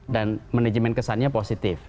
dan manajemen kesannya positif